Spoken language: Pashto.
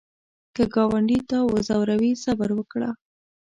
که ګاونډي تا وځوروي، صبر وکړه